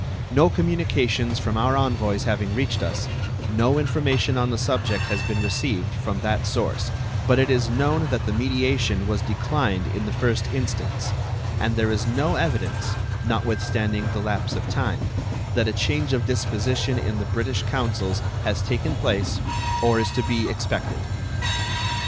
No communications from our envoys having reached us, no information on the subject has been received from that source; but it is known that the mediation was declined in the first instance, and there is no evidence, notwithstanding the lapse of time, that a change of disposition in the British councils has taken place or is to be expected.